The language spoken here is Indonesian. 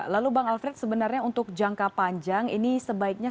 lalu bang alfred sebenarnya untuk jangka panjang ini sebaiknya